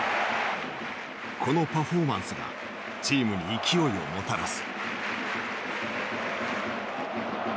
このパフォーマンスがチームに勢いをもたらす。